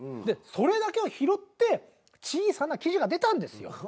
でそれだけを拾って小さな記事が出たんですよ。